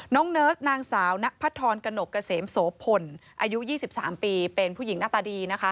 น้องเนิร์สนางสาวนะภัทธรกระหนบกระเสมโสพลอายุ๒๓ปีเป็นผู้หญิงหน้าตาดี